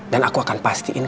dan aku akan pastiin